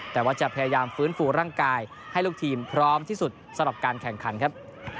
แต่ว่าจะพยายามฟื้นฟูร่างกายให้ลูกทีมพร้อมที่สุดสำหรับการแข่งขันครับ